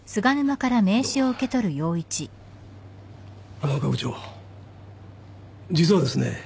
浜岡部長実はですね